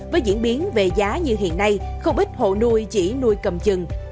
với diễn biến về giá như hiện nay không ít hộ nuôi chỉ nuôi cầm chừng